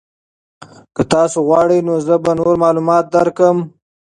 که تاسو غواړئ نو زه به نور معلومات درکړم.